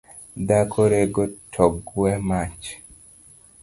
Dhako rego togwe mach